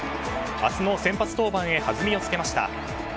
明日の先発登板へ弾みをつけました。